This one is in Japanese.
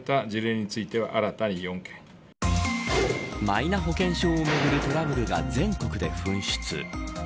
マイナ保険証をめぐるトラブルが全国で噴出。